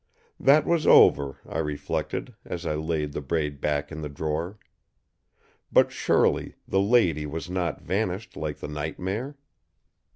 That was over, I reflected, as I laid the braid back in the drawer. But surely the lady was not vanished like the nightmare?